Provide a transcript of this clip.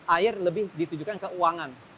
air lebih ditujukan keuangan